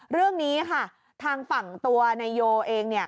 เรื่องนี้ค่ะทางฝั่งตัวโยโพงสะท้อนเอง